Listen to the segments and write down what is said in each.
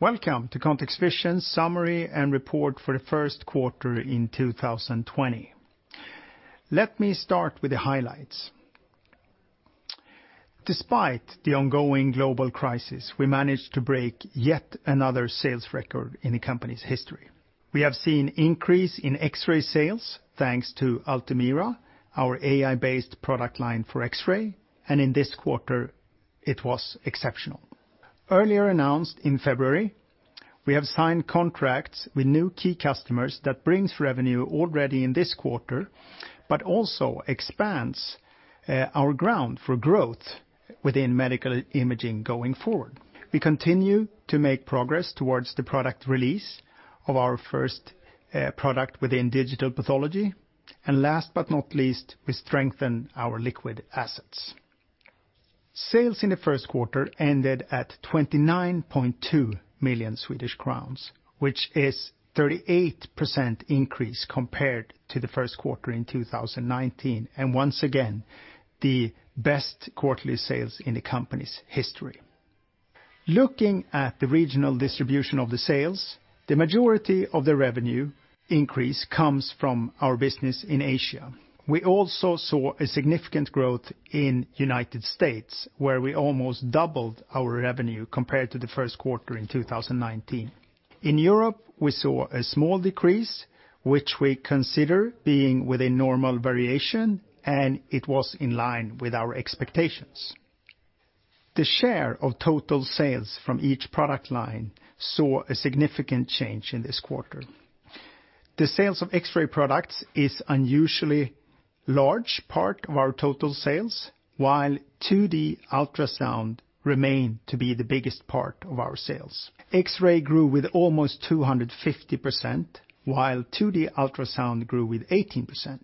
Welcome to ContextVision summary and report for the first quarter in 2020. Let me start with the highlights. Despite the ongoing global crisis, we managed to break yet another sales record in the company's history. We have seen increase in X-ray sales thanks to Altumira, our AI-based product line for X-ray, and in this quarter it was exceptional. Earlier announced in February, we have signed contracts with new key customers that brings revenue already in this quarter but also expands our ground for growth within medical imaging going forward. We continue to make progress towards the product release of our first product within digital pathology. Last but not least, we strengthen our liquid assets. Sales in the first quarter ended at 29.2 million Swedish crowns, which is 38% increase compared to the first quarter in 2019, and once again, the best quarterly sales in the company's history. Looking at the regional distribution of the sales, the majority of the revenue increase comes from our business in Asia. We also saw a significant growth in U.S., where we almost doubled our revenue compared to the first quarter in 2019. In Europe, we saw a small decrease, which we consider being within normal variation, and it was in line with our expectations. The share of total sales from each product line saw a significant change in this quarter. The sales of X-ray products is unusually large part of our total sales while 2D ultrasound remained to be the biggest part of our sales. X-ray grew with almost 250%, while 2D ultrasound grew with 18%.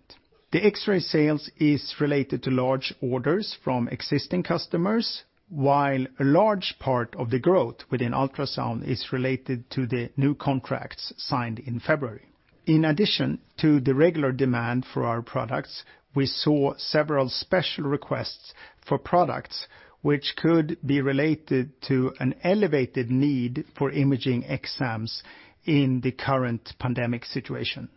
The X-ray sales is related to large orders from existing customers, while a large part of the growth within ultrasound is related to the new contracts signed in February. In addition to the regular demand for our products, we saw several special requests for products which could be related to an elevated need for imaging exams in the current pandemic situation.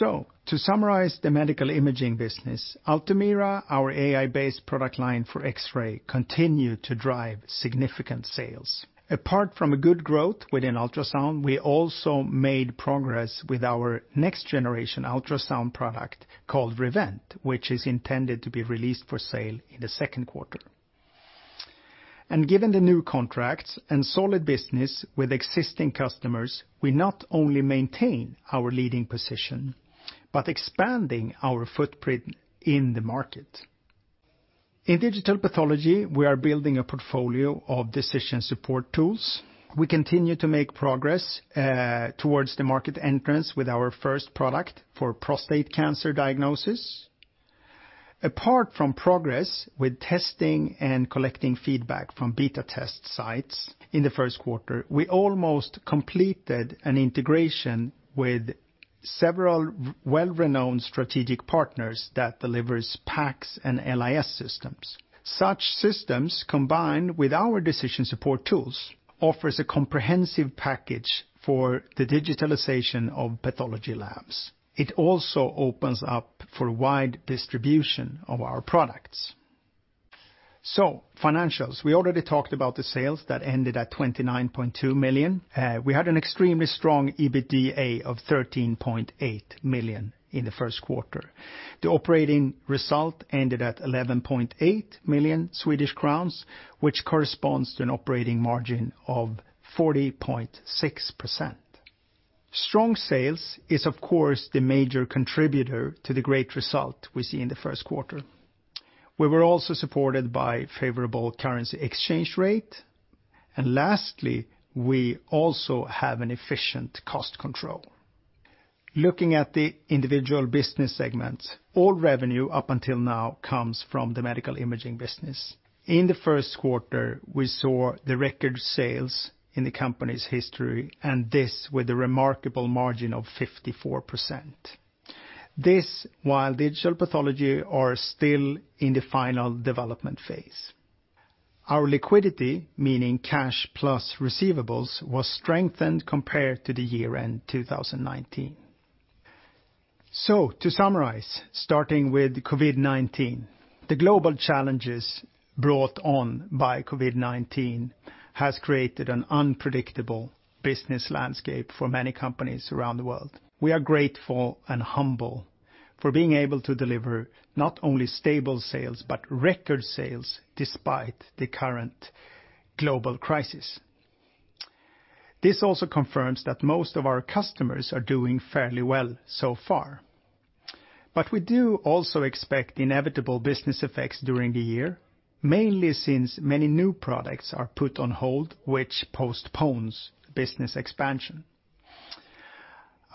To summarize the medical imaging business, Altumira, our AI-based product line for X-ray, continued to drive significant sales. Apart from a good growth within ultrasound, we also made progress with our next generation ultrasound product called Rivent, which is intended to be released for sale in the second quarter. Given the new contracts and solid business with existing customers, we not only maintain our leading position but expanding our footprint in the market. In digital pathology, we are building a portfolio of decision support tools. We continue to make progress towards the market entrance with our first product for prostate cancer diagnosis. Apart from progress with testing and collecting feedback from beta test sites in the first quarter, we almost completed an integration with several well-renowned strategic partners that delivers PACS and LIS systems. Such systems, combined with our decision support tools, offers a comprehensive package for the digitalization of pathology labs. It also opens up for wide distribution of our products. Financials, we already talked about the sales that ended at 29.2 million. We had an extremely strong EBITDA of 13.8 million in the first quarter. The operating result ended at 11.8 million Swedish crowns, which corresponds to an operating margin of 40.6%. Strong sales is of course the major contributor to the great result we see in the first quarter. We were also supported by favorable currency exchange rate. Lastly, we also have an efficient cost control. Looking at the individual business segments, all revenue up until now comes from the medical imaging business. In the first quarter, we saw the record sales in the company's history, and this with a remarkable margin of 54%. This while digital pathology are still in the final development phase. Our liquidity, meaning cash plus receivables, was strengthened compared to the year-end 2019. To summarize, starting with COVID-19, the global challenges brought on by COVID-19 has created an unpredictable business landscape for many companies around the world. We are grateful and humble for being able to deliver not only stable sales, but record sales despite the current global crisis. This also confirms that most of our customers are doing fairly well so far. We do also expect inevitable business effects during the year, mainly since many new products are put on hold which postpones business expansion.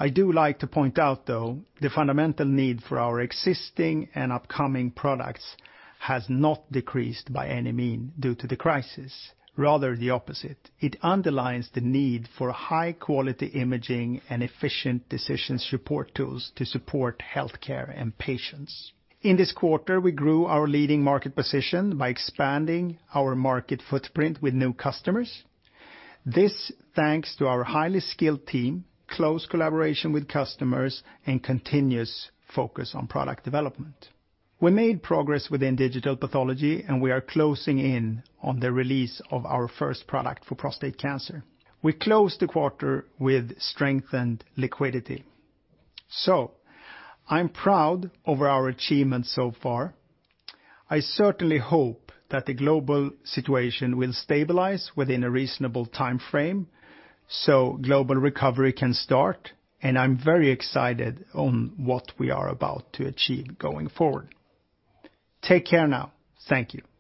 I do like to point out, though, the fundamental need for our existing and upcoming products has not decreased by any means due to the crisis, rather the opposite. It underlines the need for high-quality imaging and efficient decision support tools to support healthcare and patients. In this quarter, we grew our leading market position by expanding our market footprint with new customers. This, thanks to our highly skilled team, close collaboration with customers, and continuous focus on product development. We made progress within digital pathology, and we are closing in on the release of our first product for prostate cancer. We closed the quarter with strengthened liquidity. I'm proud of our achievements so far. I certainly hope that the global situation will stabilize within a reasonable timeframe so global recovery can start, and I'm very excited about what we are about to achieve going forward. Take care now. Thank you.